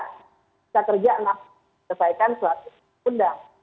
kita kerja kita selesaikan suatu undang